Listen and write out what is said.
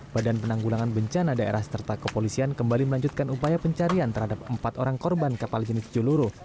badan penanggulangan bencana daerah serta kepolisian kembali melanjutkan upaya pencarian terhadap empat orang korban kapal jenis joloro